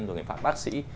rồi người phạm bác sĩ